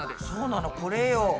そうなのこれよ。